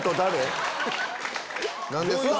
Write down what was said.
何ですか？